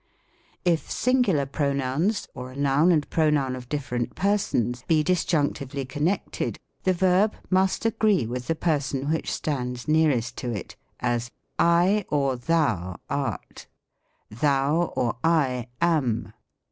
If singular pronouns, or a noun and pronoun of dif ferent persons, be disjunctively connected, the verb must agree with the person which stands nearest to it : as, " I. or thou art." " Thou or I a/n."